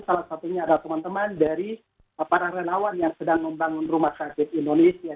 salah satunya adalah teman teman dari para relawan yang sedang membangun rumah sakit indonesia